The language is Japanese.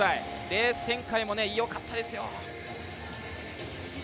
レース展開もよかったですよ。